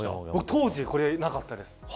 当時これなかったです。